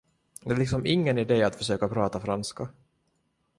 Det är liksom ingen idé att försöka prata franska.